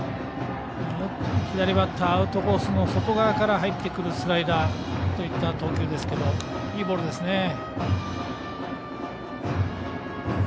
左バッターアウトコースの外側から入ってくるスライダーといった投球ですがいいボールですね。